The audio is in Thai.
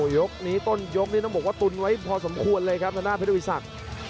ยกนี้ต้นยกนี้ต้องบอกว่าตุนไว้พอสมควรเลยครับทางด้านเพชรวิสัก